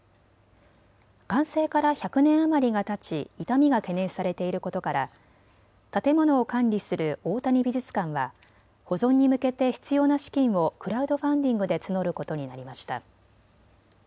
完成から１００年余りがたち傷みが懸念されていることから建物を管理する大谷美術館は保存に向けて必要な資金をクラウドファンディングで募ることになりました。